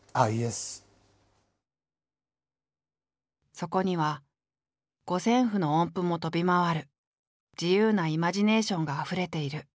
そこには五線譜の音符も飛び回る自由なイマジネーションがあふれている。